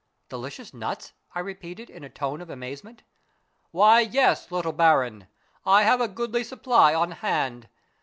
"Delicious nuts?" I repeated in a tone of amazement. " Why, yes, little baron, I have a goodl}'^ supply on hand.